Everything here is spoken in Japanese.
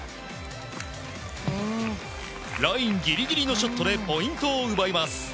ラインギリギリのショットでポイントを奪います。